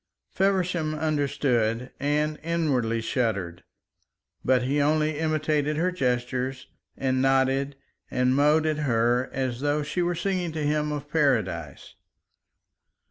Feversham understood and inwardly shuddered, but he only imitated her gestures and nodded and mowed at her as though she was singing to him of Paradise.